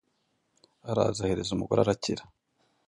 araza ahereza umugore, arakira,